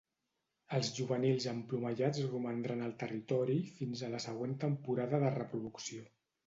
Els juvenils emplomallats romandran al territori fins a la següent temporada de reproducció.